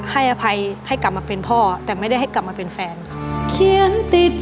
ให้อภัยให้กลับมาเป็นพ่อแต่ไม่ได้ให้กลับมาเป็นแฟนค่ะ